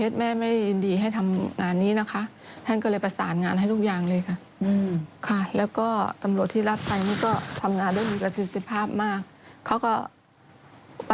ที่ตำรวจกองปราบดำเนินกา